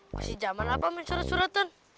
masih zaman apaocc eurosurten